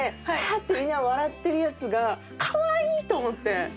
ッてみんな笑ってるやつがカワイイと思って。